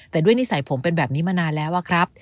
แต่ด้วยนิสัยผมเป็นแบบนี้มานานแล้วอะครับ